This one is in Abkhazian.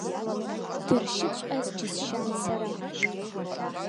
Дыршьыҵәҟьаз џьысшьан сара.